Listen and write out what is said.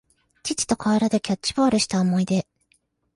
父と河原でキャッチボールした思い出